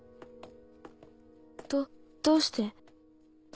どどうして。